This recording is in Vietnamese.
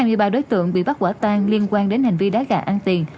tại hiện trường có hai mươi ba đối tượng bị bắt quả tan liên quan đến hành vi đá gà ăn tiền